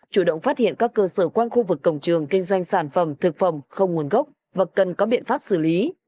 chủ động phát hiện các cơ sở quanh khu vực cổng trường kinh doanh sản phẩm thực phẩm không nguồn gốc và cần có biện pháp xử lý